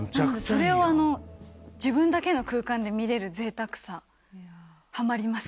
それは自分だけの空間で見れるぜいたくさ、はまります。